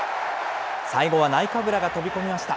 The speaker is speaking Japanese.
最後はナイカブラが飛び込みました。